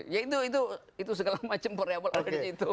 ya itu segala macam pernyataan itu